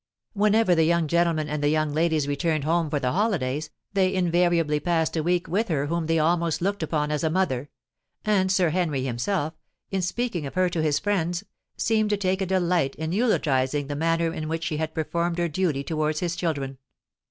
Whenever the young gentlemen and the young ladies returned home for the holidays, they invariably passed a week with her whom they almost looked upon as a mother; and Sir Henry himself, in speaking of her to his friends, seemed to take a delight in eulogising the manner in which she had performed her duty towards his children.